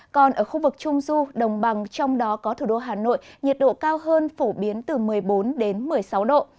còn ở khu vực trung du đồng bằng trong đó có thủ đô hà nội nhiệt độ cao hơn phổ biến từ một mươi bốn đến một mươi sáu độ